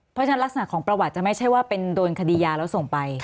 เพราะฉะนั้นลักษณะของประวัติจะไม่ใช่ว่าเป็นโดนคดียาแล้วส่งไป